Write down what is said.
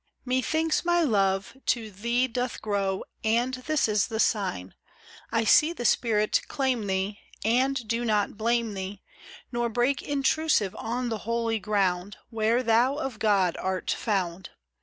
48 METHINKS my love to thee doth grow, And this the sign : I see the Spirit claim thee, And do not blame thee. Nor break intrusive on the Holy Ground Where thou of God art found.